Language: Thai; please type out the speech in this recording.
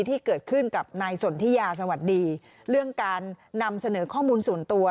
ที่เกิดขึ้นกับนายสนทิยาสวัสดีเรื่องการนำเสนอข้อมูลส่วนตัว